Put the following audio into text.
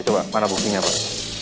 coba mana buktinya pak